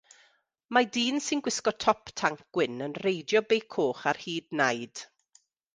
Mae dyn sy'n gwisgo top tanc gwyn yn reidio beic coch ar hyd naid.